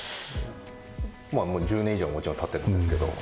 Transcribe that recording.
もう１０年以上はもちろん経ってるんですけど。